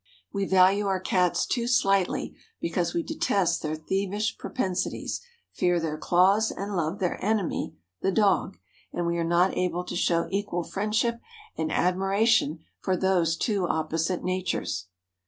We value our Cats too slightly because we detest their thievish propensities, fear their claws and love their enemy, the dog, and we are not able to show equal friendship and admiration for those two opposite natures.